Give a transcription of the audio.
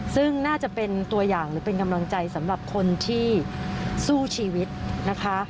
ซึ่งน่าจะเป็นตัวอย่างหรือเป็นกำลังใจสำหรับคนที่สู้ชีวิตนะคะ